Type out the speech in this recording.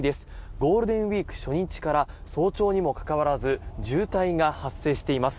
ゴールデンウィーク初日から早朝にもかかわらず渋滞が発生しています。